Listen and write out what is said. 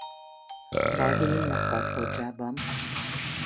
Balduin meghalt Foggiában.